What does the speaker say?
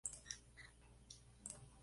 Falleció luego de un largo Parkinson.